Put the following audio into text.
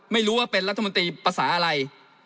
ไม่รู้ว่าเป็นรัฐมนตรีภาษาอะไร